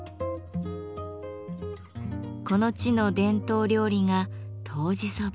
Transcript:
この地の伝統料理が「とうじそば」。